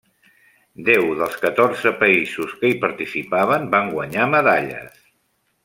Deu dels catorze països que hi participaven ban guanyar medalles.